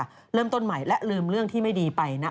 อะไรรึ๊มเรื่องที่ไม่ดีไปนะ